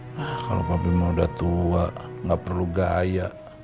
nah kalau papi mah udah tua gak perlu gaya